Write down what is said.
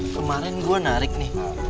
kemarin gua narik nih